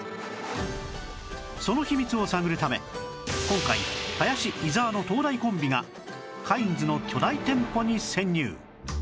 その秘密を探るため今回林伊沢の東大コンビがカインズの巨大店舗に潜入